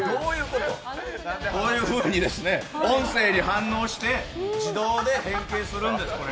こういうふうに音声に反応して自動で変形するんです。